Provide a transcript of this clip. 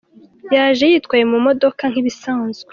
“ Yaje yitwaye mu modoka nk’ibisanzwe.